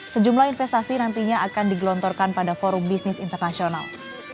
sejumlah investasi nantinya akan digelontorkan pada forum bisnis internasional